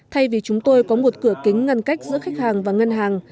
thay vì chúng tôi có một cửa kính ngăn cách giữa khách hàng và ngân hàng